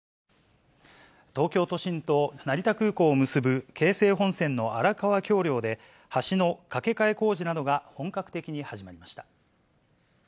東京都心と成田空港を結ぶ京成本線の荒川橋梁で、橋の架け替え工事などが本格的に始まりました。